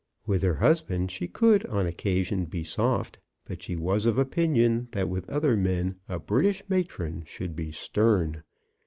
With her husband she could, on occasion, be soft, but she was of opinion that with other men a British matron should be stern.